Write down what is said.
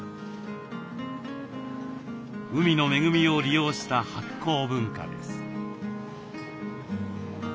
海の恵みを利用した発酵文化です。